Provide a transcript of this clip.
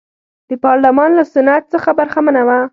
د پارلمان له سنت څخه برخمنه وه.